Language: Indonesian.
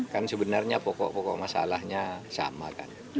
kan sebenarnya pokok pokok masalahnya sama kan